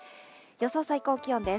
予想最高気温です。